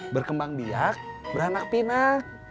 berkembang biak beranak pinak